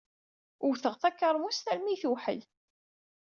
Wteɣ takermust armi yi-tewḥel